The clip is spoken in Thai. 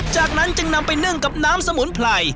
จากนั้นจึงนำไปนึ่งกับน้ำสมุนไพร